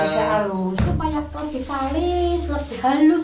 supaya kalau ditalis lebih halus